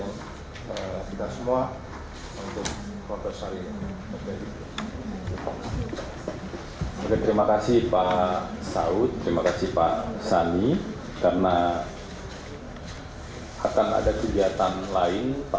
dengan pengumuman mantan deputi penegakan kpk ini kpk tinggi menunjukkan kalau misalnya